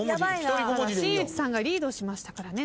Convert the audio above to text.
新内さんがリードしましたからね